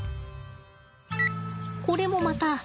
これもまた。